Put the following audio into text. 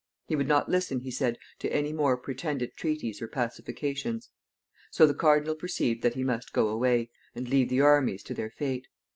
He would not listen, he said, to any more pretended treaties or pacifications. So the cardinal perceived that he must go away, and leave the armies to their fate.